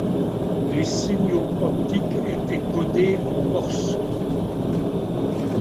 Les signaux optiques étaient codés en morse.